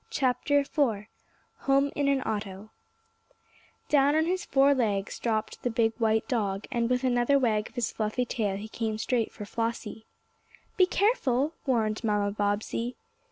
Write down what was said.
CHAPTER IV HOME IN AN AUTO DOWN on his four legs dropped the big white dog, and with another wag of his fluffy tail he came straight for Flossie. "Be careful!" warned Mamma Bobbsey.